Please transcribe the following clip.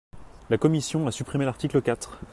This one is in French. La commission a supprimé l’article quatre.